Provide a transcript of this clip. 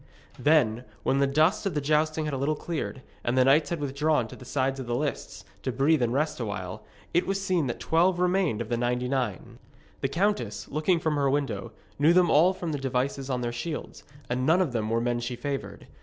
Then, when the dust of the jousting had a little cleared, and the knights had withdrawn to the sides of the lists, to breathe and rest awhile, it was seen that twelve remained of the ninety nine. The countess, looking from her window, knew them all from the devices on their shields, and none of them were men she favoured.